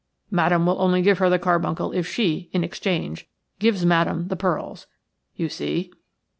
Madame will only give her the carbuncle if she, in exchange, gives Madame the pearls. You see?"